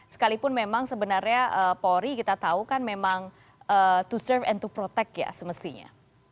sekalipun memang sebenarnya polri kita tahu kan memang to serve and to protect ya semestinya